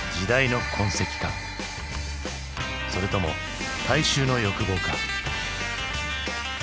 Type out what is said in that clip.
それとも大衆の欲望か？